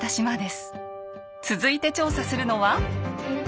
続いて調査するのは。